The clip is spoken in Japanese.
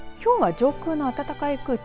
きょうは上空の暖かい空気